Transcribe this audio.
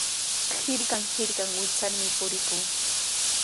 Hirkan hirkan wichyarmi purikuu.